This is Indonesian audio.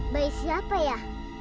bayi siapa ya